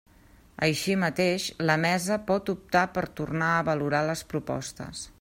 Així mateix la Mesa pot optar per tornar a valorar les propostes.